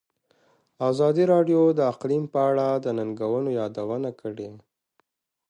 ازادي راډیو د اقلیم په اړه د ننګونو یادونه کړې.